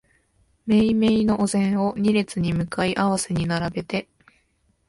めいめいのお膳を二列に向かい合わせに並べて、